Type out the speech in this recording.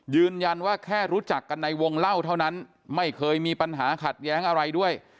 ยืนยันว่าแค่รู้จักกันในวงเล่าเท่านั้นไม่เคยมีปัญหาขัดแย้งอะไรด้วย